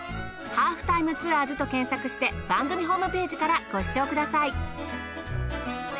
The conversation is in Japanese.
『ハーフタイムツアーズ』と検索して番組ホームページからご視聴ください。